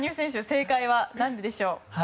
正解は何でしょう。